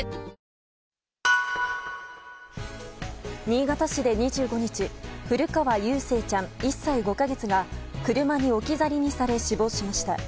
新潟市で２５日古川祐誠ちゃん、１歳５か月が車に置き去りにされ死亡しました。